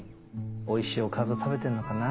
おいしいおかず食べてるのかな？